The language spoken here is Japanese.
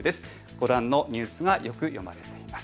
ご覧のニュースがよく読まれています。